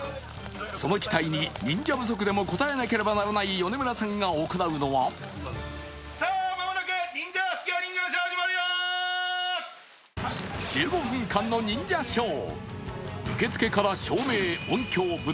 その期待に忍者不足でも応えなければならない米村さんが行うのは１５分間の忍者ショー。